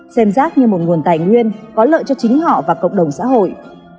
xem rác như một nguồn tài nguyên có lợi cho chính họ và cộng đồng xã hội